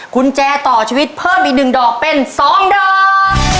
คุณแจต่อชีวิตเพิ่มอีกหนึ่งดอกเป็นสองดอก